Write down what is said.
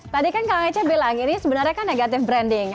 tadi kan kang aceh bilang ini sebenarnya kan negatif branding